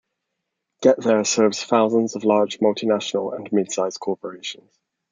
GetThere serves thousands of large multinational and mid-size corporations.